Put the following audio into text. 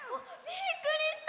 びっくりした！